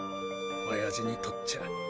親父にとっちゃ。